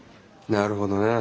なるほどね。